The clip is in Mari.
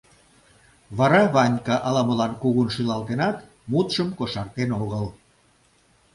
Вара Ванька ала-молан кугун шӱлалтенат, мутшым кошартен огыл.